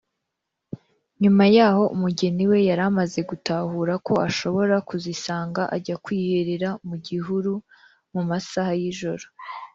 nyuma yaho umugeni we yari amaze gutahura ko ashobora kuzisanga ajya kwiherera mu gihuru mu masaha y’ijoro